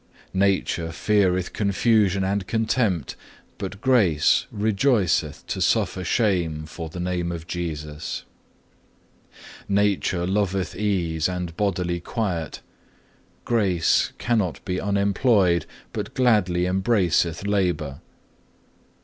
"Nature feareth confusion and contempt, but Grace rejoiceth to suffer shame for the name of Jesus. 7. "Nature loveth ease and bodily quiet; Grace cannot be unemployed, but gladly embraceth labour. 8.